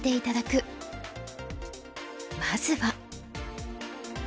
まずは。